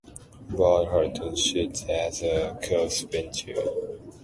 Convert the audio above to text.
Lord Hylton sits as a cross-bencher.